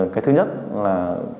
cái thứ nhất là